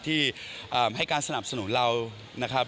ที่ให้การสนับสนุนเรานะครับ